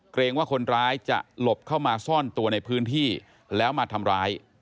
เกรงว่าคนร้ายจะหลบเข้ามาซ่อนตัวในพื้นที่แล้วมาทำร้าย